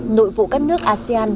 nội vụ các nước asean